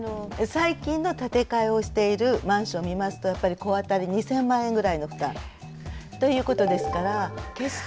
最近の建て替えをしているマンションを見ますとやっぱり戸当たり２，０００万円ぐらいの負担ということですから決して。